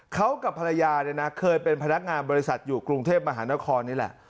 เขากับภรรยาเนี่ยนะเคยเป็นพนักงานบริษัทอยู่กรุงเทพมหานครนี่แหละ